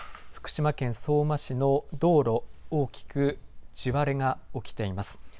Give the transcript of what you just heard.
福島県相馬市の道路、大きく地割れが起きています。